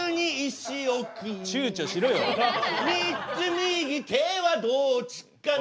３つ右手はどっちかな